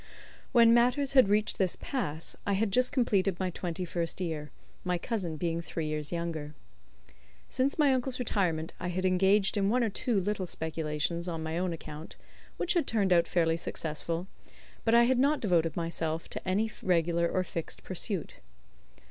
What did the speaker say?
When matters had reached this pass I had just completed my twenty first year, my cousin being three years younger. Since my uncle's retirement I had engaged in one or two little speculations on my own account, which had turned out fairly successful, but I had not devoted myself to any regular or fixed pursuit.